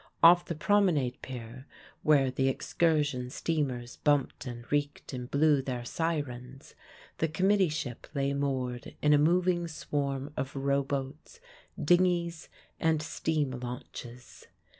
Off the promenade pier, where the excursion steamers bumped and reeked and blew their sirens, the committee ship lay moored in a moving swarm of rowboats, dingies, and steam launches.